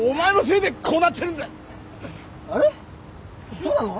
そうなの？